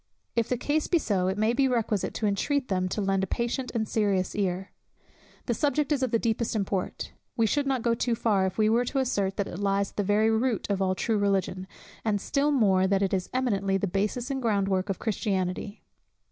If the case be so, it may be requisite to intreat them to lend a patient and a serious ear. The subject is of the deepest import. We should not go too far if we were to assert, that it lies at the very root of all true Religion, and still more, that it is eminently the basis and ground work of Christianity.